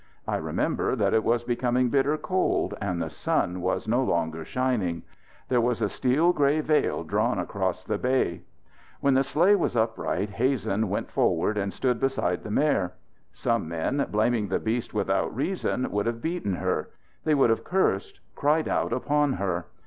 I remember that it was becoming bitter cold and the sun was no longer shining. There was a steel grey veil drawn across the bay. When the sleigh was upright Hazen went forward and stood beside the mare. Some men, blaming the beast without reason, would have beaten her. They would have cursed, cried out upon her.